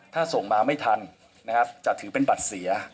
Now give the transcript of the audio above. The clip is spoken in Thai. ถ้าส่งมาไม่ทันนะครับจะถือเป็นบัตรเสีย